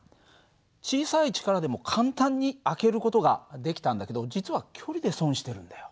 小さい力でも簡単に開ける事ができたんだけど実は距離で損してるんだよ。